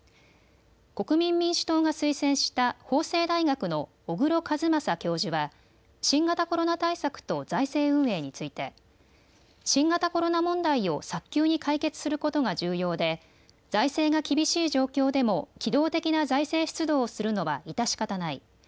国民民主党が推薦した法政大学の小黒一正教授は新型コロナ対策と財政運営について新型コロナ問題を早急に解決することが重要で財政が厳しい状況でも機動的な財政出動をするのは致し方ない。